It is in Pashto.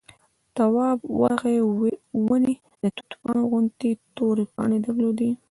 تواب ورغی ونې د توت پاڼو غوندې تورې پاڼې درلودې.